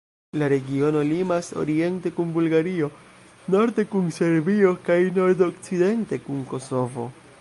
La regiono limas oriente kun Bulgario, norde kun Serbio kaj nordokcidente kun Kosovo.